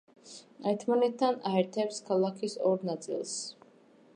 ერთმანეთთან აერთებს ქალაქის ორ ნაწილს.